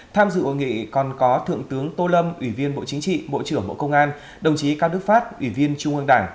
tham dự hội nghị còn có thượng tướng tô lâm ủy viên bộ chính trị bộ trưởng bộ công an đồng chí cao đức pháp ủy viên trung ương đảng